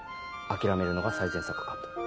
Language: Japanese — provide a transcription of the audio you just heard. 諦めるのが最善策かと。